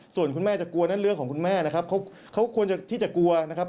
ส่วนคุณแม่จะกลัวนั่นเรื่องของคุณแม่นะครับเขาควรที่จะกลัวนะครับ